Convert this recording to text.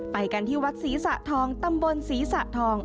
ไปกันที่วัดศรีสะทองตำบลศรีสะทอง